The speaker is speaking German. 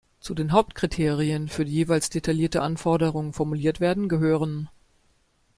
Zu den Hauptkriterien, für die jeweils detaillierte Anforderungen formuliert werden, gehören